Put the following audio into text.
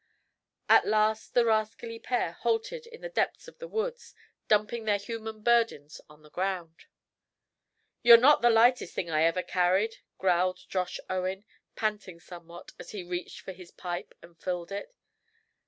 At last the rascally pair halted in the depths of the woods, dumping their human burdens on the ground. "You're not the lightest thing I ever carried," growled Josh Owen, panting somewhat, as he reached for his pipe and filled it.